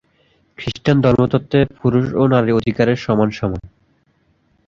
খ্রিস্টান ধর্মতত্ত্বে পুরুষ ও নারীর অধিকারে সমান সমান।